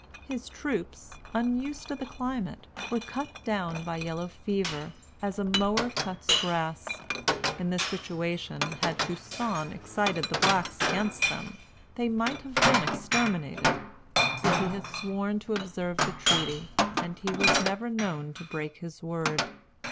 His troops, unused to the climate, were cut down by yellow fever, as a mower cuts grass. In this situation, had Toussaint excited the blacks against them, they might have been exterminated; but he had sworn to observe the treaty, and he was never known to break his word.